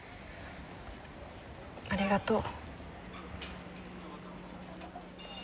ありがとう。